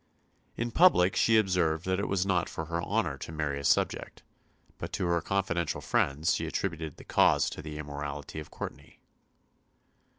"In public she observed that it was not for her honour to marry a subject, but to her confidential friends she attributed the cause to the immorality of Courtenay."